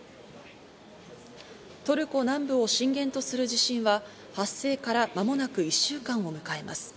トルコ南部を震源とする地震は、発生から間もなく１週間を迎えます。